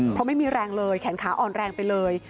เพราะไม่มีแรงเลยแขนขาอ่อนแรงไปเลย